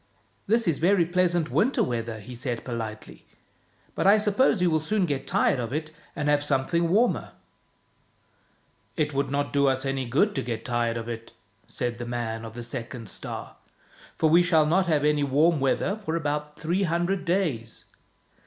" This is very pleasant winter weather," he said politely, " but I suppose you will soon get tired of it and have something warmer? "" It would not do us any good to get tired of it," said the man of the second star, " for we shall not have any warm weather for about three hundred days."